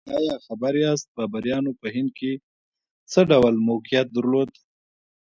ایا خبر یاست بابریانو په هند کې څه ډول موقعیت درلود؟